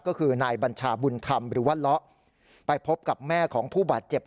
ก็คือนายบัญชาบุญธรรมหรือว่าเลาะไปพบกับแม่ของผู้บาดเจ็บ